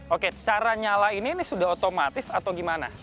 oke cara nyala ini ini sudah otomatis atau gimana